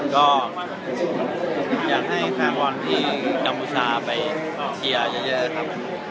ก็อยากให้แฟนบอลที่กัมพูชาไปเชียร์เยอะครับ